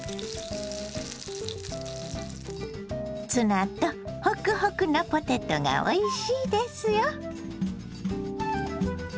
ツナとホクホクのポテトがおいしいですよ。